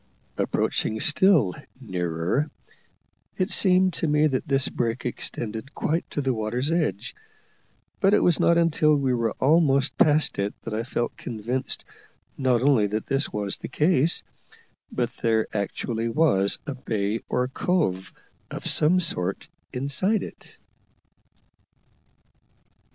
Approaching still nearer, it seemed to me that this break extended quite to the water's edge; but it was not until we were almost past it that I felt convinced not only that this was the case, but that there actually was a bay or cove of some sort inside it.